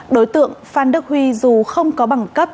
đối tượng phan đức huy dù không có bằng cấp